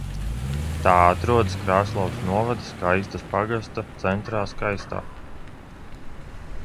Tā atrodas Krāslavas novada Skaistas pagasta centrā Skaistā.